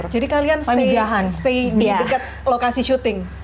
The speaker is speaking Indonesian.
jadi kalian stay di dekat lokasi shooting